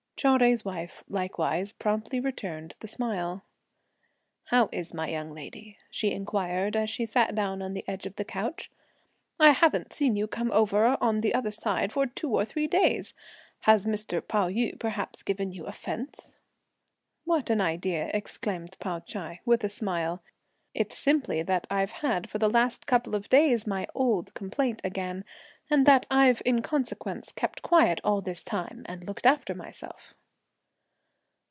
Chou Jui's wife likewise promptly returned the smile. "How is my young lady?" she inquired, as she sat down on the edge of the couch. "I haven't seen you come over on the other side for two or three days! Has Mr. Pao yü perhaps given you offence?" "What an idea!" exclaimed Pao Ch'ai, with a smile. "It's simply that I've had for the last couple of days my old complaint again, and that I've in consequence kept quiet all this time, and looked after myself."